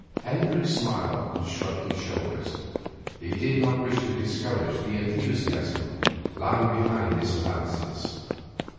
Hendricks smiled and shrugged his shoulders. He did not wish to discourage the enthusiasm lying behind this analysis.